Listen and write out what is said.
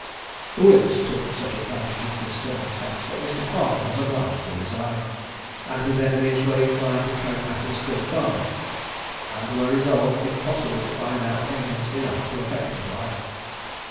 The Whigs took such advantage of this circumstance, that Mr. Harley was obliged to resign; and his enemies were inclined to carry matters still further, and were resolved, if possible, to find out evidence enough to affect his life.